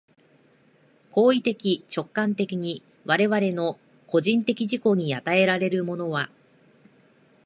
行為的直観的に我々の個人的自己に与えられるものは、